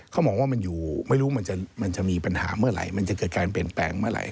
เขามองว่ามันอยู่ไม่รู้มันจะมีปัญหาเมื่อไหร่มันจะเกิดการเปลี่ยนแปลงเมื่อไหร